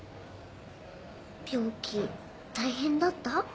病気大変だった？